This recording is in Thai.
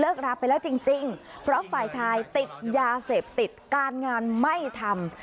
รับไปแล้วจริงเพราะฝ่ายชายติดยาเสพติดการงานไม่ทำ